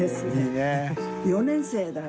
４年生だよ。